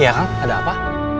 iya kan ada apa